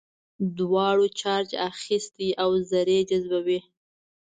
دواړو چارج اخیستی او ذرې جذبوي.